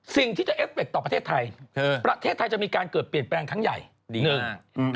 สิ่งที่จะเอฟเคต่อประเทศไทยประเทศไทยจะมีการเกิดเปลี่ยนแปลงครั้งใหญ่หนึ่ง